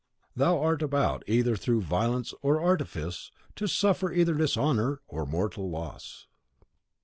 (Thou art about, either through violence or artifice, to suffer either dishonour or mortal loss.)